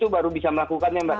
baru bisa melakukannya mbak